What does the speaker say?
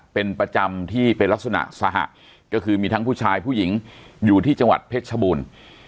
เป็นประจำที่เป็นลักษณะสหะก็คือมีทั้งผู้ชายผู้หญิงอยู่ที่จังหวัดเพชรชบูรณ์